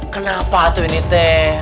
kenapa tuh ini teh